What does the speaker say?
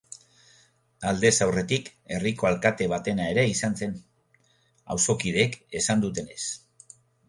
Aldez aurretik herriko alkate batena ere izan zen, auzokideek esan dutenez.